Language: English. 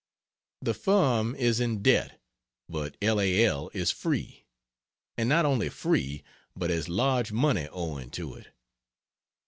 The firm is in debt, but L. A. L. is free and not only free but has large money owing to it.